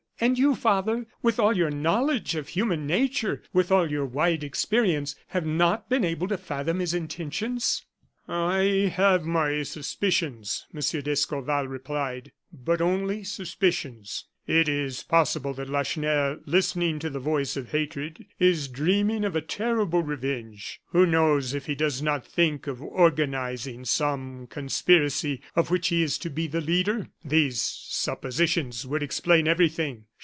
"And you, father, with all your knowledge of human nature, with all your wide experience, have not been able to fathom his intentions?" "I have my suspicions," M. d'Escorval replied; "but only suspicions. It is possible that Lacheneur, listening to the voice of hatred, is dreaming of a terrible revenge. Who knows if he does not think of organizing some conspiracy, of which he is to be the leader? These suppositions would explain everything.